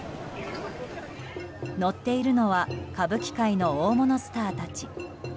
乗っているのは歌舞伎界の大物スターたち。